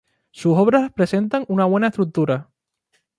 Sus obras presentan una buena estructura.